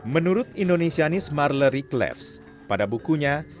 menurut indonesianis marlerie cleves pada bukunya